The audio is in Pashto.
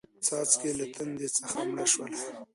څاڅکې له تندې څخه مړه شوله